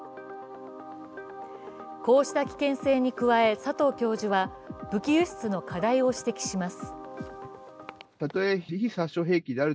こうした危険性に加え、佐藤教授は武器輸出の課題を指摘します。